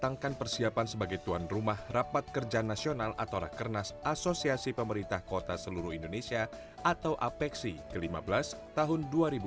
tangan persiapan sebagai tuan rumah rapat kerja nasional atau rakernas apexi ke lima belas tahun dua ribu dua puluh dua